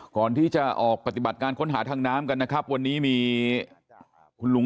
ก่อนที่จะออกปฏิบัติการค้นหาทางน้ำกันนะครับวันนี้มีคุณลุง